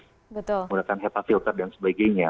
menggunakan hepa filter dan sebagainya